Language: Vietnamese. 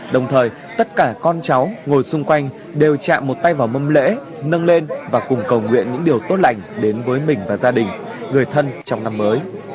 đồng thời tất cả con cháu ngồi xung quanh đều chạm một tay vào mâm lễ nâng lên và cùng cầu nguyện những điều tốt lành đến với mình và gia đình người thân trong năm mới